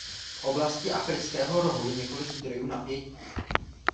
V oblasti Afrického rohu je několik zdrojů napětí.